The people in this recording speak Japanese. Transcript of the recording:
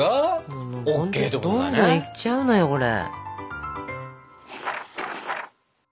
どんどんいっちゃうのよこれ。